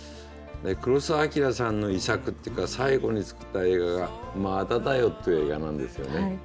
黒澤明さんの遺作っていうか最後に作った映画が「まあだだよ」っていう映画なんですよね。